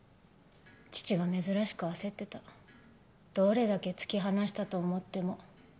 父が珍しく焦ってた「どれだけ突き放したと思っても」